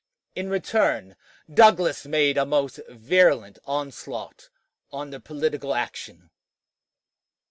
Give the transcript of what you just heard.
In return, Douglas made a most virulent onslaught on their political action.